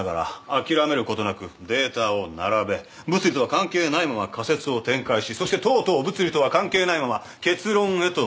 諦めることなくデータを並べ物理とは関係ないまま仮説を展開しそしてとうとう物理とは関係ないまま結論へと導く。